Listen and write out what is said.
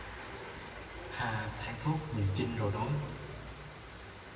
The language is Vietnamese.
Hà thảng thốt nhìn Trinh rồi nói